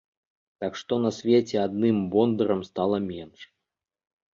Так што на свеце адным бондарам стала менш.